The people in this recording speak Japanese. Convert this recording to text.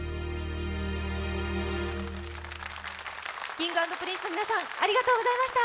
Ｋｉｎｇ＆Ｐｒｉｎｃｅの皆さんありがとうございました。